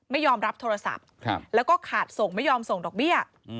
ไม่ยอมรับโทรศัพท์แล้วก็ขาดส่งไม่ยอมส่งดอกเบี้ย